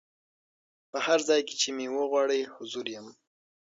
په هر ځای کي چي مي وغواړی حضور یم